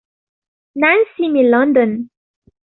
نانسي من لندن.